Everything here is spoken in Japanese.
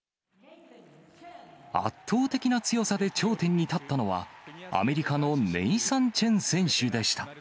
圧倒的な強さで頂点に立ったのは、アメリカのネイサン・チェン選手でした。